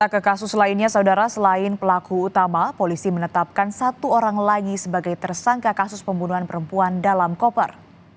ke kasus lainnya saudara selain pelaku utama polisi menetapkan satu orang lagi sebagai tersangka kasus pembunuhan perempuan dalam koper